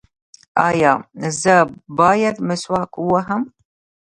ایا زه باید مسواک ووهم؟